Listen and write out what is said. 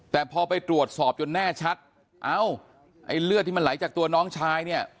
แต่พอไปตรวจสอบจนแน่ชัดเอ้าไอ้เลือดที่มันไหลจากตัวน้องชายเนี่ย